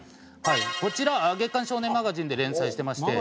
こちら『月刊少年マガジン』で連載してまして。